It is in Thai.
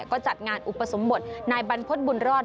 ก็จัดงานอุปสรมบทนายบรรพสบุณรรดิ์